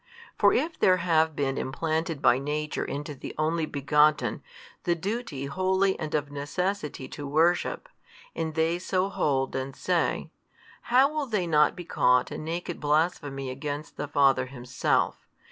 For if there have been implanted by Nature into the Only Begotten, the duty wholly and of necessity to worship, and they so hold and say, how will they not be caught in naked blasphemy against the Father Himself?